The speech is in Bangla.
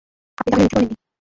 আপনি তাহলে মিথ্যে বলেননি?